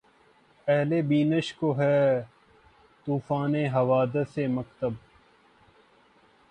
اہلِ بینش کو‘ ہے طوفانِ حوادث‘ مکتب